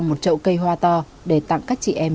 một trậu cây hoa to để tặng các chị em